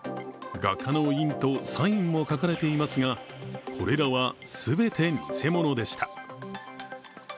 画家の印とサインも書かれていますが、これらは全て偽物でした。